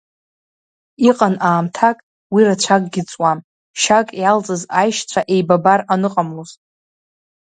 Иҟан аамҭак, уи рацәакгьы ҵуам, шьак иалҵыз аишьцәа еибабар аныҟамлоз.